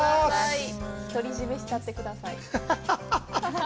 ひとりじめしちゃってください。